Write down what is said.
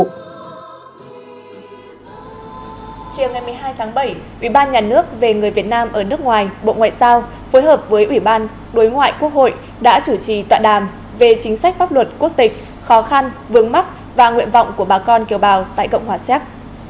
chiều ngày một mươi hai tháng bảy ubnd về người việt nam ở nước ngoài bộ ngoại giao phối hợp với ủy ban đối ngoại quốc hội đã chủ trì tọa đàm về chính sách pháp luật quốc tịch khó khăn vướng mắt và nguyện vọng của bà con kiều bào tại cộng hòa xéc